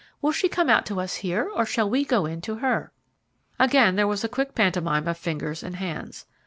Will she come out to us here or shall we go in to her?" Again there was a quick pantomime of fingers and hands.